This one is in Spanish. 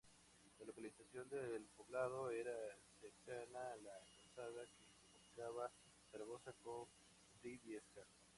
La localización del poblado era cercana a la calzada que comunicaba Zaragoza con Briviesca.